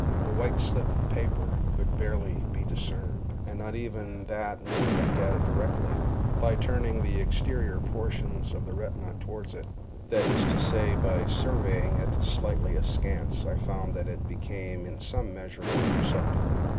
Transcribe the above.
The white slip of paper could barely be discerned, and not even that when I looked at it directly; by turning the exterior portions of the retina toward it—that is to say, by surveying it slightly askance, I found that it became in some measure perceptible.